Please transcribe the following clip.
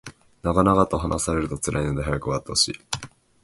長々と話されると辛いので早く終わってほしい